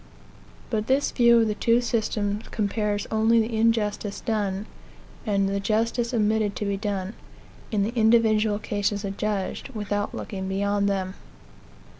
But this view of the two systems compares only the injustice done, and the justice omitted to be done, in the individual cases adjudged, without looking beyond them.